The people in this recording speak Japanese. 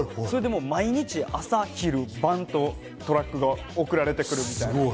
毎日、朝昼晩とトラックが送られてくるみたいな。